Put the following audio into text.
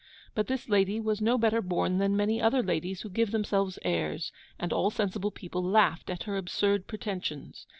But this lady was no better born than many other ladies who give themselves airs; and all sensible people laughed at her absurd pretensions.